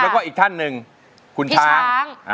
แล้วก็อีกท่านหนึ่งคุณช้าง